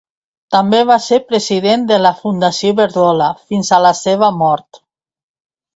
També va ser president de la Fundació Iberdrola fins a la seva mort.